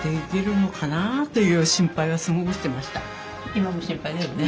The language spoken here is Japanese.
今も心配だよね？